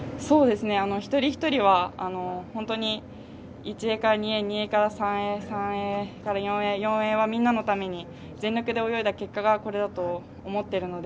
一人ひとりは本当に、１泳から２泳２泳から３泳３泳から４泳４泳はみんなのために全力で泳いだ結果がこれだと思っているので。